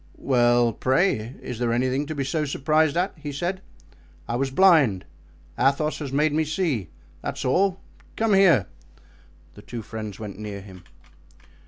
"Well, pray, is there anything to be so surprised at?" he said. "I was blind; Athos has made me see, that's all; come here." The two friends went near him.